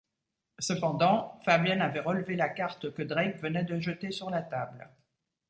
Cependant, Fabian avait relevé la carte que Drake venait de jeter sur la table.